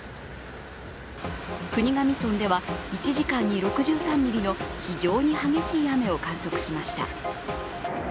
国頭村では１時間に６３ミリの非常に激しい雨を観測しました。